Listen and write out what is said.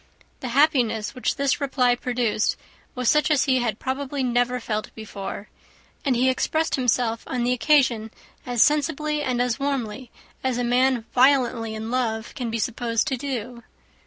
The happiness which this reply produced was such as he had probably never felt before; and he expressed himself on the occasion as sensibly and as warmly as a man violently in love can be supposed to do.